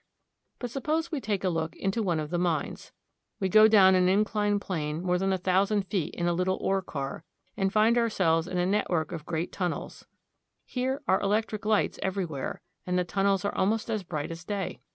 But suppose we take a look into one of the mines. We go down an inclined plane more than a thousand feet in a little ore car, and find ourselves in a network of great tun nels. There are electric lights everywhere, and the tunnels are almost as bright as day.